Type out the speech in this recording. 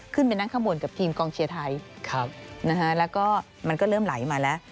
ขึ้นไปนั่งข้างบนกับทีมกองเชียร์ไทยแล้วก็มันก็เริ่มไหลมาแล้ว